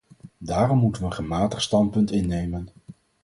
Daarom moeten we een gematigd standpunt innemen.